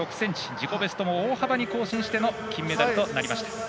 自己ベストを大幅に更新しての金メダルとなりました。